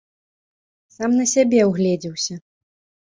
Сам на сябе ўгледзеўся.